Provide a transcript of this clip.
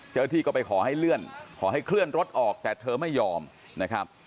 เจ้าหน้าที่ก็ไปขอให้เลื่อนขอให้เคลื่อนรถออกแต่เธอไม่ยอมนะครับ